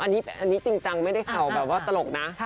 อันนี้จริงจังไม่ได้ข่าวแบบว่าตลกนะ